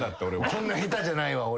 こんな下手じゃないわ俺。